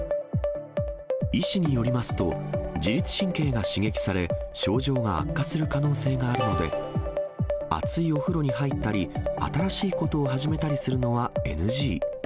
医師によりますと、自律神経が刺激され、症状が悪化する可能性があるので、熱いお風呂に入ったり、新しいことを始めたりするのはＮＧ。